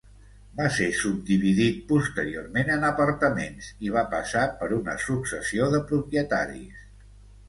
Va ser subdividit posteriorment en apartaments i va passar per una successió de propietaris.